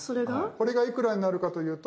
これがいくらになるかというと。